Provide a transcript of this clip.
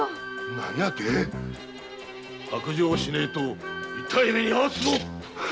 何やて⁉白状しねえと痛い目に遭わせるぞ！